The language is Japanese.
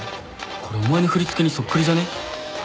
これお前の振り付けにそっくりじゃね？